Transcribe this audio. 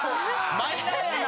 マイナーやな！